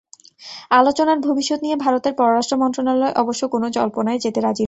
আলোচনার ভবিষ্যৎ নিয়ে ভারতের পররাষ্ট্র মন্ত্রণালয় অবশ্য কোনো জল্পনায় যেতে রাজি নয়।